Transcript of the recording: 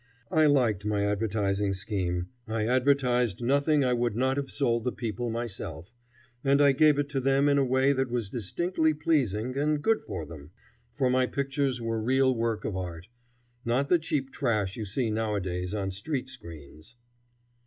I liked my advertising scheme. I advertised nothing I would not have sold the people myself, and I gave it to them in a way that was distinctly pleasing and good for them; for my pictures were real work of art, not the cheap trash you see nowadays on street screens.